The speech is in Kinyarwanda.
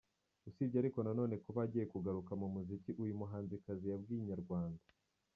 Usibye ariko nanone kuba agiye kugaruka mu muziki uyu muhanzikazi yabwiye Inyarwanda.